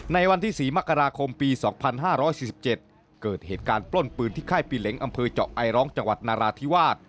ในวันที่๔มกราคมปี๒๕๔๗เกิดเหตุการณ์ปล้นปืนที่ค่ายปีเห็งอำเภอเจาะไอร้องจังหวัดนาราธิวาส